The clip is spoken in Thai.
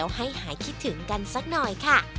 ให้หายคิดถึงกันสักหน่อยค่ะ